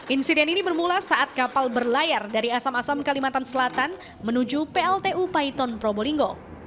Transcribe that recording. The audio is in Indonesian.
insiden ini bermula saat kapal berlayar dari asam asam kalimantan selatan menuju pltu paiton probolinggo